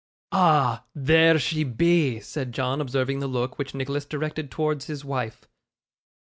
'Ah! there she be,' said John, observing the look which Nicholas directed towards his wife.